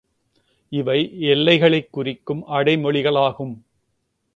இவை எல்லைகளைக் குறிக்கும் அடை மொழிகளாகும்.